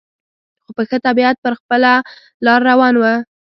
خو په ښه طبیعت پر خپله لار روان و.